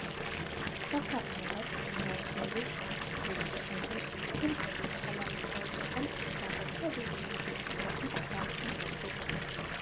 საფარმურატ ნიაზოვის სიკვდილის შემდეგ, თურქმენეთის ხელმძღვანელობამ გადადგა დიდი ნაბიჯი ქვეყნის გახსნის მხრით.